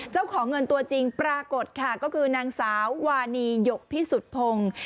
เจ้าของเงินตัวจริงปรากฏค่ะก็คือนางสาววานีหยกพิสุทธิพงศ์